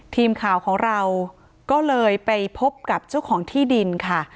ทีมข่าวของเราก็เลยไปพบกับเจ้าของที่ดินค่ะ